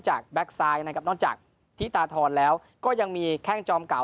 แบ็คซ้ายนะครับนอกจากธิตาทรแล้วก็ยังมีแข้งจอมเก่า